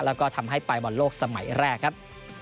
แล้วก็ทำให้ไปบอลโลกสมัยแรกครับ